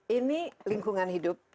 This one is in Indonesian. ini lingkungan hidup